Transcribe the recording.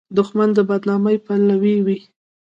دښمن د بد نامۍ پلوی وي